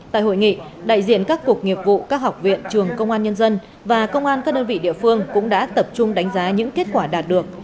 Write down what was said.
tại hội nghị đại diện các cục nghiệp vụ các học viện trường công an nhân dân và công an các đơn vị địa phương cũng đã tập trung đánh giá những kết quả đạt được